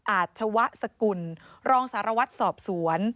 อาชวะสกุลรองสารวัตรสอบสวน